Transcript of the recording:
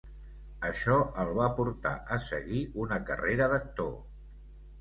Això el va portar a seguir una carrera d'actor.